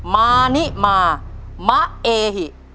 มานิมามะเอหิ